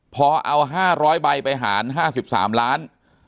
พอเอา๕๐๐ใบไปหาร๕๓ล้าน